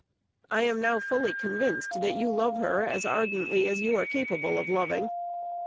I am now fully convinced that you love her as ardently as you are capable of loving.